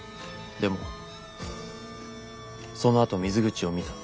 でもそのあと水口を見た。